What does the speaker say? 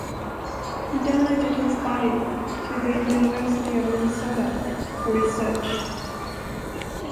He donated his body to the University of Minnesota for research.